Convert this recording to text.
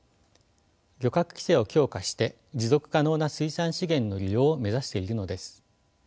漁獲規制を強化して持続可能な水産資源の利用を目指しているのです。